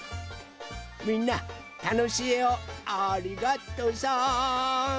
みんなたのしいえをありがとさん！